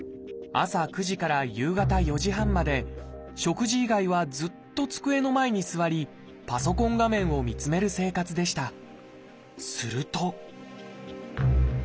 朝９時から夕方４時半まで食事以外はずっと机の前に座りパソコン画面を見つめる生活でした。